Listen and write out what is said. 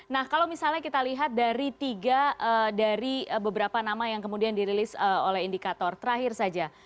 nah kalau misalnya kita lihat dari tiga dari beberapa nama yang kemudian dirilis oleh indikator terakhir saja